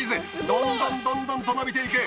どんどんどんどんと伸びていく。